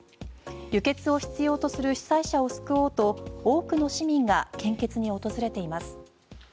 輸血を必要とする被災者を救おうと多くの市民が献血に訪れています。